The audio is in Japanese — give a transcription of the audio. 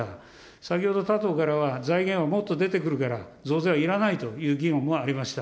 先ほど、他党からは財源はもっと出てくるから、増税はいらないという議論もありました。